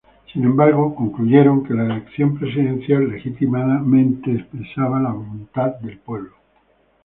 Sin embargo, concluyeron que la elección presidencial legítimamente expresaba la voluntad de la gente.